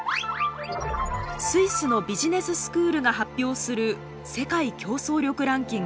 スイスのビジネススクールが発表する世界競争力ランキングです。